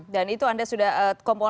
dan itu anda sudah komponen